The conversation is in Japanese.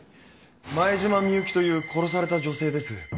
前島美雪という殺された女性です。